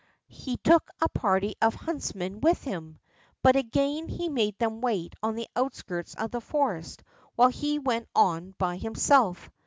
He took a party of huntsmen with him, but again he made them wait on the outskirts of the forest while he went on by himself.